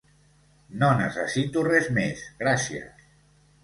No necessito res més gràcies.